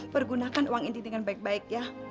pergunakan uang ini dengan baik baik ya